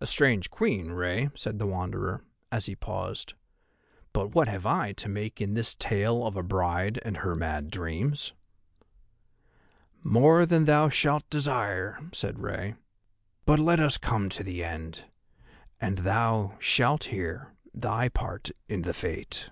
"A strange Queen, Rei," said the Wanderer, as he paused, "but what have I to make in this tale of a bride and her mad dreams?" "More than thou shalt desire," said Rei; "but let us come to the end, and thou shalt hear thy part in the Fate."